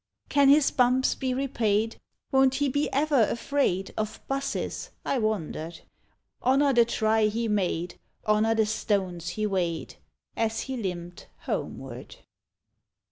VI. Can his bumps be repaid ? Won't he be ever afraid Of 'busses? I wondered ! Honour the try he made. Honour the stones he weighed, As he limped homeward.